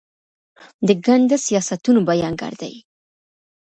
د ګنده سیاستونو بیانګر دي.